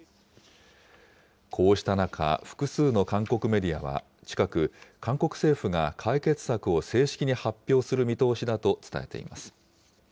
こうした中、複数の韓国メディアは近く、韓国政府が解決策を正式に発表する見通しだと伝えています。